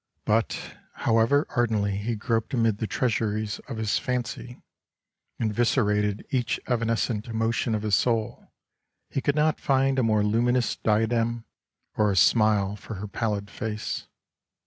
But however ardently he groped amid the treasuries of his fancy and viscerated ^ach evanescent emotion of his soul, he could not find a more luminous diadem, or a smile for her pallid face.